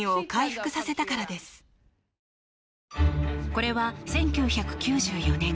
これは１９９４年